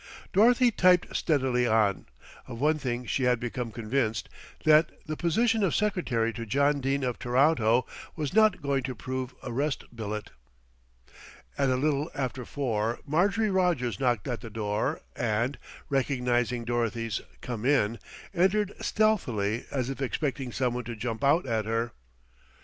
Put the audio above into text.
Dorothy typed steadily on. Of one thing she had become convinced, that the position of secretary to John Dene of Toronto was not going to prove a rest billet. At a little after four Marjorie Rogers knocked at the door and, recognising Dorothy's "Come in," entered stealthily as if expecting someone to jump out at her.